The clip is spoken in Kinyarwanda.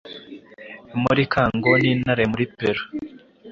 Muri kango n'intare muri Peru;